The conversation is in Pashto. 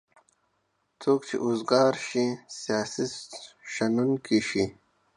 څوک چې اوزګار شی سیاسي شنوونکی شي.